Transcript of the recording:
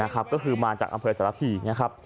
ก็คือมาจากอำเภอสารพีนะครับ